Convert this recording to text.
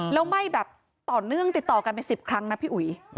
แล้วไหม้แบบต่อเนื่องติดต่อกันเป็น๑๐ครั้งนะพี่อุ๋ย